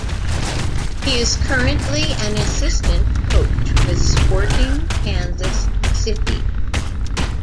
He is currently an assistant coach with Sporting Kansas City.